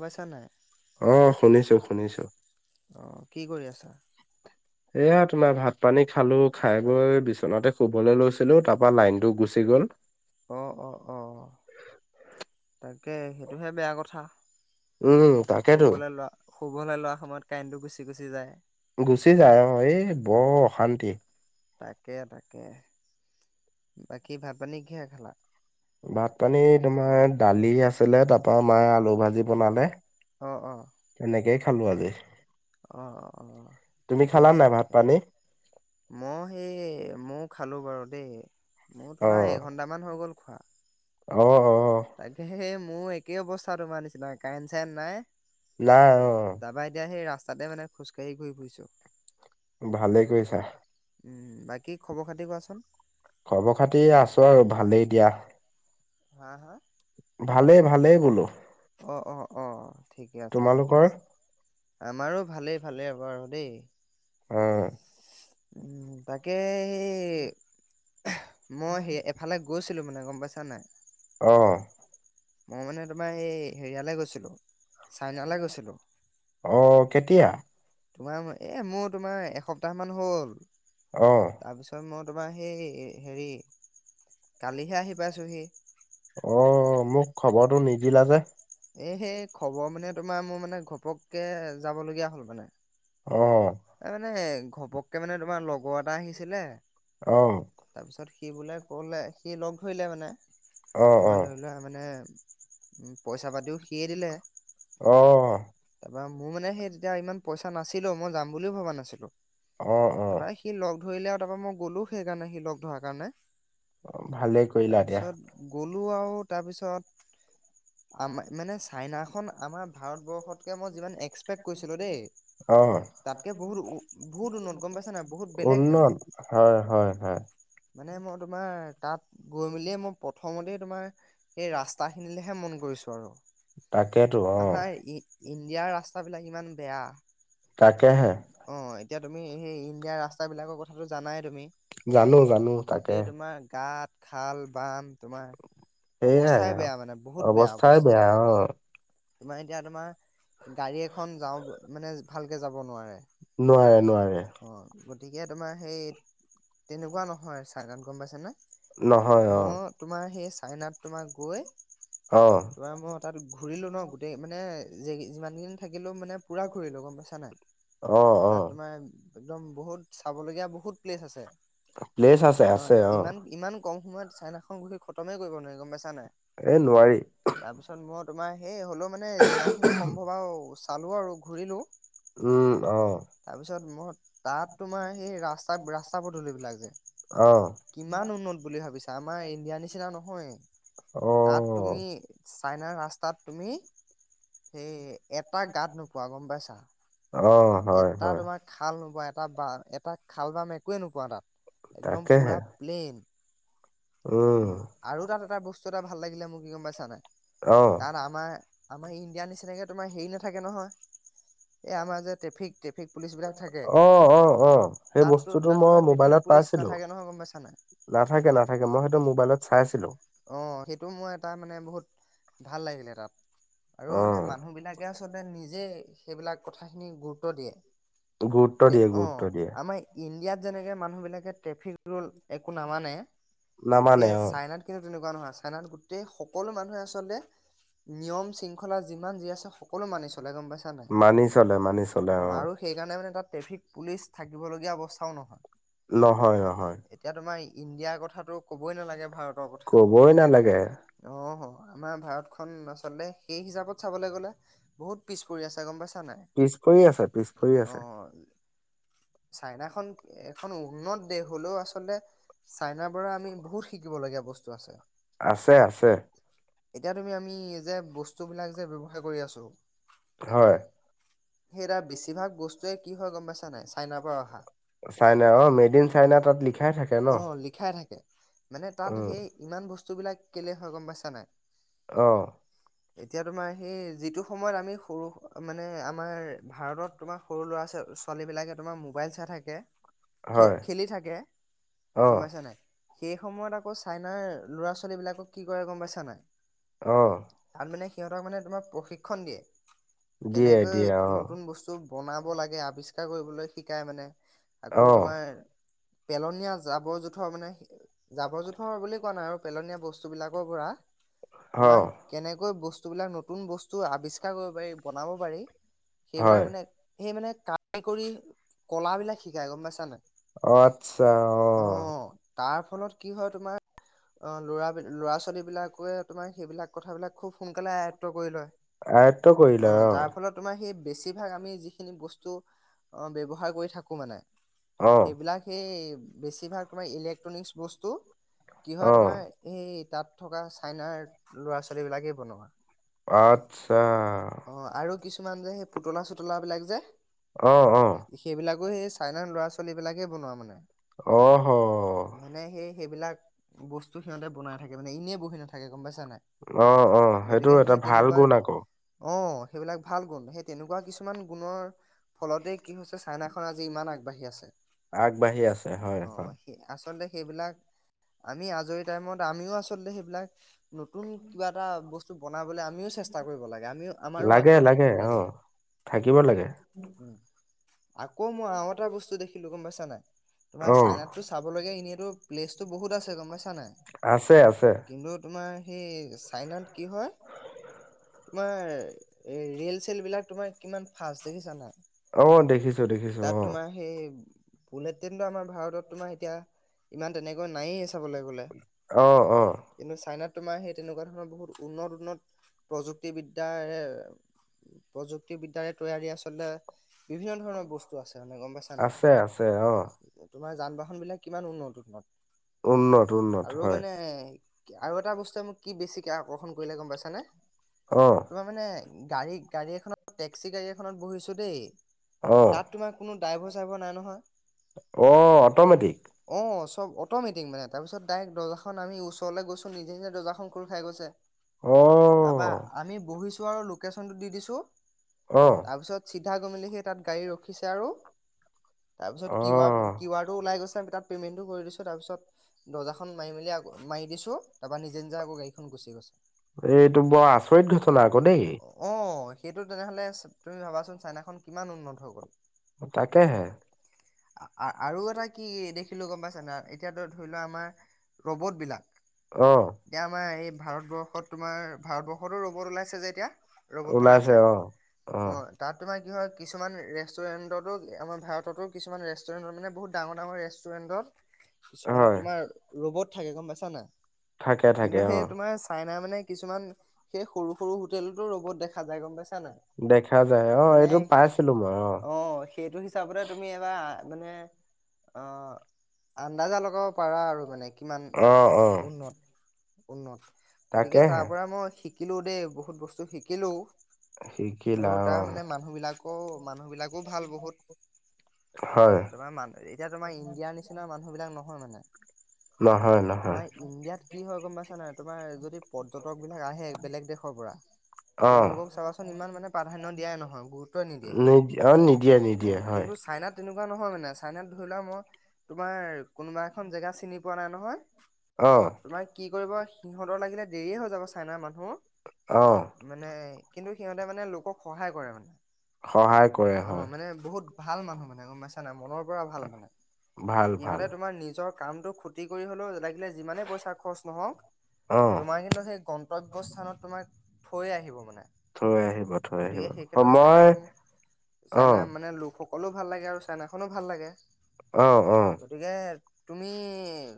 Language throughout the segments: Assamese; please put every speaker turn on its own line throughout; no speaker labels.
পাইছা নাই
অ, শুনিছো - শুনিছো।
অ, কি কৰি আছা?
এয়া তোমাৰ ভাত পানী খালো খাই বৈ বিচনাতে শুবলৈ লৈছিলো তাৰ পৰা লাইনতো গুচি গল। গ'ল,
অ অ অ তাকে সেইটোহে বেয়া কথা।
উম, তাকেটো।
শুবলৈ লোৱা শুবলৈ লোৱাৰ সময়ত কাৰেণ্টো গুচি- গুচি যায়।
গুচি যায় অ' এই বৰ অশান্তি
তাকে-তাকে বাকী ভাত পানী কিহে খালা?
ভাত পানী তোমাৰ দালি আছিলে তাৰ পৰা আমাৰ আলু ভাজি বনালে।
অঁ-অঁ
তেনেকেই খালো আজি।
অ-অ-অ
তুমি
ঠিকে
খালা
আছে,
নাই ভাত
ঠিকে
পানী
আছে। মই সেই মই খালো বাৰু দেই। মোৰ তোমাৰ এঘণ্টামান হৈ গ'ল খোৱা।
অ-অ,
তাকে সেই মোৰ একেই অৱস্থা তোমাৰ নিচিনা কাৰেণ্ট চাৰেন নাই।
নাই অ',
তাতে মানে খোজকাঢ়ি ঘূৰি ফুৰিছোঁ।
ভালেই কৰিছা।
বাকী খবৰ খাতি কোৱাচোন?
খবৰ খাতি আছোঁ আৰু ভালেই দিয়া।
হা-হা
ভালে-ভালে।
অ', অ', অ' ঠিকে আছে ঠিকে
তোমালোকৰ
আছে আমাৰো ভালেই ভালেই আৰু। হব আৰু দেই।
অ'।
উম তাকে এ মই সেই এফালে গৈছোঁ। [unintelligible] ছিলো মানে গম পাইছা নাই।
অ'।
মই মানে তোমাৰ এই হেৰিয়ালৈ গৈছিলো চাইনালৈ গৈছিলো
অ কেতিয়া।
তোমাৰ এ মোৰ তোমাৰ এসপ্তাহ মান হ'ল
অ
তাৰপিছত মোৰ তোমাৰ সেই হেৰি কালিহে আহি পাইছোহি।
অ', মোক খবৰটো নিদিলা যে।
এ সেই খবৰ মানে তোমাৰ মোৰ মানে ঘপককে যাব লগীয়া হ'ল মানে।
অ।
এই মানে ঘপককে মানে তোমাৰ লগৰ এটা আহিছিলে
অ'।
তাৰপিছত সি বোলে ক'লে সি লগ ধৰিলে মানে
অ',
তোমাৰ
অ',
ধৰি লোৱা মানে। পইচা পাতিও সিয়েই দিলে।
অ',
মোৰ মানে সেই তেতিয়া ইমান পইচা নাছিলো মই যাম বুলিও ভবা নাছিলো
অ', অ',
তাৰপৰা সি লগ ধৰিলে আৰু তাৰ পৰা মই গ'লো সেইকাৰণে সি লগ ধৰা কাৰণে।
অ' ভালেই কৰিলা দিয়া।
তাৰপিছত গ'লো আৰু তাৰপিছত চাইনাখন আমাৰ ভাৰতবৰ্ষতকৈ মই যিমান এক্সপেক্ট কৰিছিলোঁ দেই
অ',
তাতকে বহুত বহুত উন্নত গম পাইছা নাই বহুত বেলেগ মানে
উন্নত হয়, হয়-হয়।
মানে মই তোমাৰ তাত গৈ মেলিয়ে মই প্ৰথমতেই তোমাৰ এই ৰাস্তাখিনিলেহে মন কৰিছোঁ আৰু।
তাকেইতো অ।
আমাৰ ই ইণ্ডিয়াৰ ৰাস্তাবিলাক ইমান বেয়া।
তাকে হে।
অ এতিয়া তুমি সেই ইণ্ডিয়া ৰাস্তাবিলাকৰ কথাটো জানাই তুমি
জানো জানো তাকে।
গোটেই তোমাৰ গাঁত খাল বান্ধ। তোমাৰ
সেইয়াই
অৱস্থাই
আৰু
বেয়া মানে বহুত বেয়া
অৱস্থাই
অৱস্থা।
বেয়া অ',
তোমাৰ এতিয়া তোমাৰ গাড়ী এখন যাওঁ মানে ভালকে যাব নোৱাৰে।
নোৱাৰে নোৱাৰে।
অ গতিকে তোমাৰ সেই তেনেকুৱা নহয় চাইনাত গম পাইছানে।
নহয়
মই
অ',
তোমাৰ সেই চাইনাত তোমাৰ গৈ
অ',
তোমাৰ মই তাত ঘূৰিলো ন গোটেই মানে যিমান কেইদিন থাকি [unintelligible] লো মানে পূৰা ঘূৰিলোঁ গম পাইছা নাই
অ',
তাত
অ',
তোমাৰ একদম বহুত চাবলগীয়া বহুত প্লেচ আছে।
প্লেচ আছে আছে অ।
ইমান ইমান কম সময়ত চাইনাখন গোটেই খতমেই কৰিব নোৱাৰি গম পাইছা নাই
এই নোৱাৰি
তাৰপিছত তোমাৰ সেই হ'লেও মানে যিমান খিনি সম্ভৱ আৰু চালো আৰু ঘূৰিলো।
উম অ।
তাৰপিছত মই তাত তোমাৰ সেই ৰাস্তা ৰাস্তা পদূলিবিলাক যে
অ',
কিমান উন্নত বুলি ভাবিছা আমাৰ ইণ্ডিয়াৰ নিচিনা নহয়। তাত
অ',
তুমি চাইনা ৰাস্তাত তুমি, সেই এটা গাত নোপোৱা গম পাইছা।
অ', হয়,
এটা
হয়,
তোমাৰ খাল নোপোৱা এটা এটা খাল বাম একোৱে নোপোৱা তাত। একদম
তাকেহে
পুৰা প্লেইন উম আৰু তাত এটা বস্তু এটা ভাল লাগিলে মোক কি গম পাইছা নে নাই
অ',
তাত আমাৰ। আমাৰ ইণ্ডিয়াৰ নিচিনাকৈ তোমাৰ হেৰি নাথাকে নহয়। এই আমাৰ যে ট্ৰেফিক ট্ৰেফিক পুলিচ বিলাক থাকে
অ', অ', অ', সেই
তাতো
বস্তুটো
তাত
মই
তোমাৰ
মোবাইলত
ট্ৰেফিক পুলিচ।
পাইছিলো।
নাথাকে নহয় গম পাইছ নে নেই।
নাথাকে নাথাকে মই সিটো মোবাইলত চাইছিলোঁ।
অ সেইটো মোৰ এটা মানে বহুত ভাল লাগিলে তাত। আৰু মানে
অ',
মানুহ বিলাকে আচলতে নিজে সেইবিলাক কথা খিনি গুৰুত্ব দিয়ে।
গুৰুত্ব দিয়ে
অ
গুৰুত্ব দিয়ে।
আমাৰ [unintelligible] যেনেকে মানুহবিলাকে ট্ৰেফিক ৰুল একো নামানে। সেই
নামানে অ।
চাইনাত কিন্তু তেনেকুৱা নহয় চাইনাত গোটেই সকলো মানুহে আচলতে। নিয়ম শৃংখলা যিমান যি আছে সকলো মানিছোঁ। চলে গম পাইছা নে নাই
মানি চলে মানি চলে
অ আৰু সেইকাৰণে মানে তাত। ট্ৰেফিক পুলিচ থাকিবলগীয়া অৱস্থাও নহয়।
নহয়-নহয়,
এতিয়া তোমাৰ ইণ্ডিয়াৰ কথাটো ক'বই নালাগে ভাৰত,
ক'বই নালাগে।
আমাৰ ভাৰতখনন আচলতে সেই হিচাপত চাবলৈ গ'লে বহুত পিছ পৰি আছে গম পাই,
পিছ পৰি আছে পিছ পৰি আছে। [inaudible]
চাইনাখন এখন উন্নত দেশ হলেও আচলতে চাইনাৰ পৰা আমি বহুত শিকিব লগীয়া বস্তু। আছে।
আছে আছে।
এতিয়া তুমি আমি যে বস্তু বিলাক যে ব্যৱহাৰ কৰি আছোঁ।
হয়।
সেইটা বেছিভাগ বস্তুৱে কি হয় গম পাইছা নাই চাইনাৰ পৰা অহা।
চাইনা অ মেড ইন চাইনা তাত লিখাই থাকে
অ
নহ।
লিখাই থাকে। মানে তাত সেই ইমান বস্তুবিলাক কেলে হয় গম পাইছা নে নাই।
অহ।
এতিয়া তোমাৰ সি যিটো সময়ত আমি সৰু মানে আমাৰ ভাৰতত তোমাৰ সৰু ল'ৰা-ছোৱালী। ছোৱালী বিলাকে তোমাৰ মোবাইল চাই থাকে। খ
হয়
খেলি থাকে
অ',
গম পাইছ নে নাই সেই সময়ত আকৌ চাই। আপোনাৰ ল'ৰা-ছোৱালী বিলাকক কি কৰে গম পাইছা নে নাই।
অহ।
তাত মানে সিহঁতক মানে তোমাক প্ৰশিক্ষণ দিয়ে
দিয়ে দিয়ে
কেনেকৈ
অ',
নতুন বস্তু বনাব লাগে আৱিষ্কাৰ কৰিবলৈ শিকাই মানে আকৌ
অ',
তোমাৰ। পেলনীয়া জাবৰ-জোঁথৰ মানে জাবৰ-জোঁথৰ বুলি কোৱা নাই আৰু পেলনীয়া বস্তু। বস্তুবিলাকৰ পৰা তোমাৰ
অ',
কেনেকৈ বছ। বস্তুবিলাক নতুন বস্তু আৱিষ্কাৰ কৰিব পাৰি বনাব পাৰি সেইবিলাক
হয়
মানে সেই মানে। [unintelligible] কৰি কলাবিলাক শিকাই গম পাইছা নে নাই।
আচ্ছা
অ
অহ,
তাৰ ফলত কি হয় তোমাৰ। অ ল'ৰা ল'ৰা-ছোৱালী বিলাকে তোমাৰ সেইবিলাক কথাবিলাক খুব সোনকালে আয়ত্ব কৰি লয়।
আয়ত্ব কৰিলে অ।
যাৰ ফলত তোমাৰ সেই বেছিভাগ আমি যিখিনি বস্তু ব্যৱহাৰ কৰি থাকোঁ মানে।
অ',
সেইবিলাক সেই বেছিভাগ তোমাৰ ইলেক্ট্ৰনিক বস্তু। কি হয়
অ',
তোমাৰ এই তাত থকা চাইনাৰ ল'ৰা ছোৱালী বিলাকেই বনোৱা।
আচ্ছা।
অ আৰু কিছুমান যে সেই পুতলা চুতলা বিলাক যে।
আহ আহ
সেইবিলাকো সেই চাইনাৰ ল'ৰা ছোৱালী বিলাকে বনোৱা মানে।
অহ হ।
মানে সেই সেইবিলাক বস্তু সিহঁতে বনাই থাকে মানে ইনে বহি নাথাকে। গম পাইছা নাই
অ'অ সেইটো
গতিকে
এটা
সেই
ভাল
তেনেকুৱা
গুণ আকৌ।
অ', সেইবিলাক ভাল গুণ সেই তেনেকুৱা কিছুমান গুণৰ ফলতে কি হৈছে চাইনাখনন আজি ইমান আগবাঢ়ি আছে।
আগবাঢ়ি আছে
অ
হয়'হয়।
সেই আচলতে সেইবিলাক আমি আজৰি টাইমত আমিও আচলতে সেইবিলাক নতুন কিবা এটা বস্তু বনাবলৈ আমিও চেষ্টা কৰিব লাগে আমি
লাগে লাগে অ থাকিব লাগে।
উম আকৌ মই আৰু এটা বস্তু দেখিলো গম পাইছা নাই তোমাৰ
অ',
চাইনাততো চাব লগা এনেই কিটো প্লেচ টো বহুত আছে গম পাইছা নাই
আছে, আছে
কিন্তু তোমাৰ সেই চাইনাত কি হয় তোমাৰ। এই ৰে'ল চেল বিলাক তোমাৰ কিমান ফাষ্ট দেখিছা না।
অ দেখিছো দেখিছো অ।
সেই বুলেট ট্ৰনতো আমাৰ ভাৰতত তোমাৰ এতিয়া ইমান তেনেকৈ নায়েই
অ', অ',
[unintelligible] কিন্তু চাইনাত তোমাৰ সেই তেনেকুৱা ধৰণৰ বহুত উন্নত উন্নত প্ৰযুক্তিবিদ্যাৰ। প্ৰযুক্তিবিদ্যাৰে তৈয়াৰী আচলতে বিভিন্ন ধৰণৰ বস্তু আছে মানে গম পাইছা
আছে, আছে অ',
নাই তোমাৰ যান বাহন বিলাক কিমান উন্নত উন্নত
উন্নত উন্নত
আৰু
হয়।
মানে আৰু এটা বস্তুৱে মোক কি বেছিকে আকৰ্ষণ কৰিলে গম পাইছানে?
অ'।
তোমাৰ মানে গাড়ী গাড়ী এখনত টেক্সি গাড়ী এখনত বহিছো দেই
অ',
তাত তোমাৰ কোনো ড্ৰাইভৰ চাইভৰ নাই নহয়।
অ অটমেটিক।
অ চব অট'মেটিক মানে তাৰ পিত ডাইৰেক্ দৰ্জাখন আমি ওচৰলৈ গৈছো নিজ নিজে দৰ্জাখন খোল খাই গৈছে। তাৰপা
অ',
আমি বহিছো আৰু লোকেশচনতটো দি দিছো
অ',
তাৰপিছত চিত্ৰ ছিধা গৈ মেলি সি তাত গাড়ী ৰখিছে আৰু তাৰপিছত কি
অ'।
কিৱাৰ টো ওলাই গৈছে। তাত পেমেণ্টো কৰিছো তাৰপছ দৰ্জা মাই আ মাৰিছো তাৰপ নিজ নিজ আগ গাড়খন গৈ [unintelligible]
এইটো বৰ আচৰিত ঘট
আহ সেইটো তেনেহ'লে তুমি ভাবাচোন চাইনাখন কিমান উন্নত হৈ গ'ল।
তাকে হে
আৰু এটা কি দেখিলো গম পাইছে এতিয়াতো ধৰি লোৱা আমাৰ ৰ'বটবিলাক।
অ'।
এতিয়া আমাৰ এই ভাৰতবৰ্ষত তোমাৰ ভাৰতবৰ্ষতো ৰ'বত ওলাইছে যে এতিয়া। ৰ'বত বনাইছে অ' তাত তোমাৰ কি হয় কিছুমান ৰেষ্টুৰেণ্টতো আমাৰ ভাৰততো কিছুমান ৰেষ্টুৰেণ্টত মানে বহুত ডাঙৰ ডাঙৰ ৰেষ্টুৰেণ্টত। কিছুমানে
হয়
তোমাৰ ৰবত থাকে গম পাইছা নে নাই
থাকে
কিন্তু
থাকে অ
সেই তোমাৰ চাইনা মানে। কিছুমান সেই সৰু সৰু হোটেলতো ৰ'বত দেখা যায় গম পাইছা [unintelligible]
দেখা যায় অ
মানে
এইটো পাইছিলো মই
অ', আন্দাজা লগাব পাৰা আৰু মানে। কিমান
অ অ
উন্নত উন্নত গতিকে
তাকেহে
তাৰপৰা মই শিকিলোঁ দেই। বহুত বস্তু শিকিলোও আৰু
শিকিলা
তাৰ
অ
মানে মানুহ বিলাকো আকৌ ভাল বহুত।
হয়
তোমাৰ মান এতিয়া তোমাৰ ইণ্ডিয়াৰ নিচিনা মানুহ বিলাক নহয় মানে।
নহয়। নহয়
তোমাৰ ইণ্ডিয়াত কি হয় গম পাইছানা তোমাৰ যদি পৰ্যটক বিলাক আহে বেলেগ দেশৰ
অ
তেওলোকক চাবাচোন ইমান মানে প্ৰাধান্য দিয়াই নহয় গুৰুত্ব নিদিয়ে।
নিদ অ নিদিয়ে
অ
নিদিয়ে হয়।
কিন্তু চাইনাত তেনেকুৱা নহয় মানে চাইনাত ধৰি লোৱা মই তোমাৰ কোনোবা এখন জেগা চিনি পোৱা নাই নহয়
অ
তোমাৰ কি কৰিব সিহঁতৰ লাগিলে দেৰি হৈ যাব চাইনাৰ মানুহ
অ
মানে কিন্তু সিহঁতে মানে লোকক সহায় কৰে মানে।
সহায় কৰে
অ
হয়।
মানে বহুত ভাল মানুহ মানে গম পাইছা নাই মনৰ পৰা ভাল মানে,
ভাল ভাল
সিহঁতে তোমাৰ নিজৰ কামটো ক্ষতি কৰি হলেও লাগিলে যিমানে পইচা খৰচ নহক
অ
তোমাৰ কিন্তু কেই কম। তব্য স্থানত তোমাক থৈ আহিব মানে।
থৈ আহিব- থৈ আহিব
গতিকে সেই ক্ষেত্ৰত
মই
চাইনাখন
অহ,
কলো ভাল লাগে আৰু চাইনাখনো ভাল লাগে।
অ অ
গতিকে তুমি-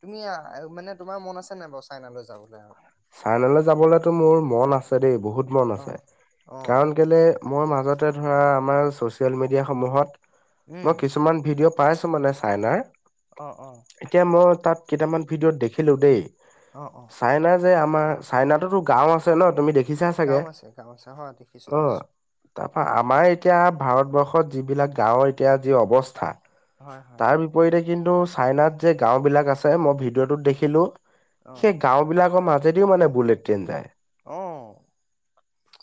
তুমি মানে তোমাৰ মন আছে নাই বাৰু চাইনালৈ যাবলৈ আৰু।
চাইনালৈ যাবলৈতো মোৰ মন আছে দেই। বহুত মন
অ
আছে
অ
কাৰণ কেলে মই মাজতে ধৰা আমাৰ ছ'চিয়েল মিডিয়াসমূহত
উম
মই কিছুমান ভিডিঅ' পাইছো মানে চাইনাৰ।
অ অ
এতিয়া মই তাত কেইটামান ভিডিঅ'ত দেখিলো দেই।
অ- অ।
চাইনা যে আমাৰ চাইনাতোতো গাও আছে। ন তুমি দেখিছা চাগে
গাও আছে - গাও আছে, হয় দেখিছো- দেখিছো।
তা পা আমাৰ এতিয়া ভাৰতবৰ্ষত যিবিলাক গাঁৱৰ এতিয়া যি অৱস্থা
হয় হয়
তাৰ বিপৰীতে কিন্তু চাইনাত যে গাও বিলাক আছে মই ভিডিঅ'টোত দেখিলো
অ
সেই গাও বিলাকৰ মাজেদিও মানে বুলেট ট্ৰেইন যায়।
অ।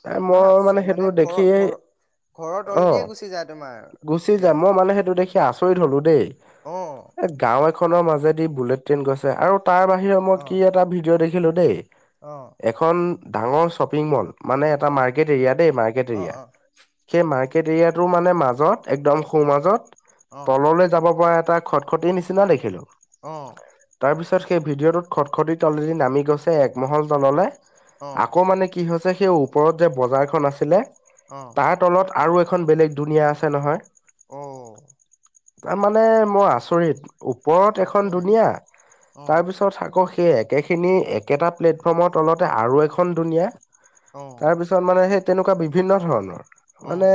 তাই
তোমাৰ
মই মানে সেইটো
ঘৰৰ
দেখিয়েই
ঘৰ ঘৰৰ তলদিয়ে গুচি যায় তোমাৰ ট্ৰেইন
সে আচৰিত হলো দেই।
অ।
খনৰ মাজেদি বুলেট ট্ৰেইন গৈছে আৰু তাৰ বাহিৰে মই কি এটা ভিডিঅ' দেখিলো দেই। এখন ডাঙৰ শ্বপিং মল। মানে এটা মাৰ্কেট এৰিয়া দে মাৰ্কেট এৰিয়া, সেই মাৰ্কেট এৰিয়াটোৰ মানে মাজত একদম সো মাজত তললৈ যাব পৰা এটা খটখটি নিচিনা দেখিলো। তাৰপিছত সেই ভিডিঅ'টোত খটখটী তলেদি নামি গৈছে একমহল তললে। আকৌ মানে কি হৈছে সেই ওপৰত যে বজাৰ খন আছিলে, তাৰ তলত আৰু খন বেলেগ ধুনীয়া আছে নহয়।
অ',
তাৰ মানে মই আচৰিত ওপৰত
তাকে
এখন দুনীয়া,
অঁ
তাৰপিছত আকৌ সে একেখিনি একেটা প্লেটফৰ্মৰ তলতে আৰু এখন দুনীয়া
অঁ
তাৰপিছত মানে সেই তেনেকুৱা বিভিন্ন ধৰণৰ,
অঁ
মানে,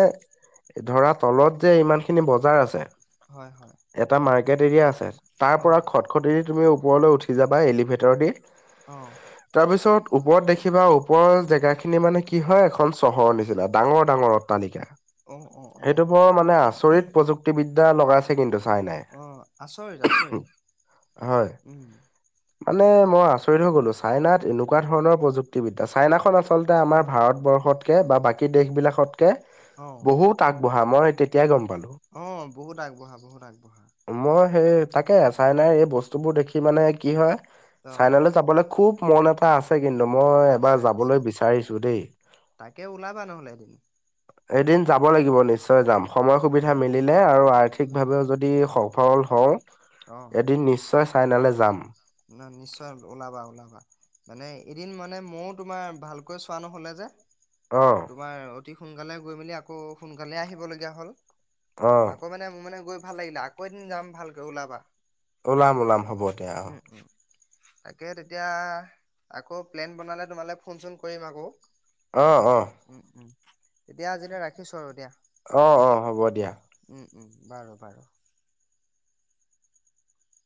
ধৰা তলত যে ইমানখিনি বজাৰ আছে।
হয়, হয়,
গেট এৰিয়া আছে তাৰ
অঁ
পৰা খটখটি দি তুমি ওপৰলৈ উঠি যাবা এলিভেটৰ দি
অঁ
তাৰপিছত ওপৰত দেখিবা ওপৰৰ জেগাখিনি মানে কি হয় এখন চহৰ নিচিনা, ডাঙৰ-ডাঙৰ অট্টালিকা।
অঁ অঁ অঁ
সেইডখৰ মানুহে আচৰিত প্ৰযুক্তিবিদ্যা লগাইছে কিন্তু। চাইনাই
অ', আচৰিত আচৰিত,
হয়
উম,
মানে মই আচৰিত হৈ গ'লো চাইনাত এনেকুৱা ধৰণৰ প্ৰযুক্তিবিদ্যা চাইনাখন আচ আচলতে আমাৰ
হয়
ভাৰতবৰ্ষতকে বা বাকী দেশ বিলাকতকে বহুত আগবঢ়া মই তেতিয়া হে গম পালোঁ।
অ', বহুত আগবঢ়া বহুত আগবঢ়া।
মই সেই তাকে চাইনাই এই বস্তু বোৰ দেখি মানে কি হয়
অঁ
চাইনালৈ যাবলৈ। খুব মন এটা আছে। কিন্তু মই এবাৰ
আছে আছে
যাবলৈ বিচাৰিছোঁ দেই।
তাকে ওলাবা নহ'লে এদিন
এদিন যাব লাগিব নিশ্চয় যাম সময় সুবিধা
অঁ
মিলিলে আৰু
উম
আৰ্থিকভাৱেও যদি হওক। সফল হওঁ, এদিন নিশ্চয় চাইনালৈ যাম।
না নিশ্চয় ওলাবা, ওলাবা মানে এদিন মানে মওঁ তোমাৰ ভালকৈ চোৱা নহ'লে যে।
অ',
তোমাৰ অতি সোনকালে গৈ মেলি আকৌ সোনকালে আহিব লগীয়া হ'ল।
অ',
আকৌ মানে মোৰ মানে গৈ ভাল লাগিলে আকৌ এদিন যাম ভালকৈ ওলাবা।
উলাম, উলাম হ'ব। দিয়া অ',
[inaudible] তাকে, তেতিয়া আকৌ প্লেন বনালে তোমালৈ ফোন চোন কৰিম আকৌ।
অ', অ,
উম উম তেতিয়া আজিলৈ ৰাখিছোঁ আৰু দিয়া
অ' অ' হ'ব দিয়া।
উম বাৰু, বাৰু।